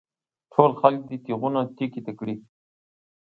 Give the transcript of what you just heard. ټول خلک دې تېغونه تېکې ته کړي.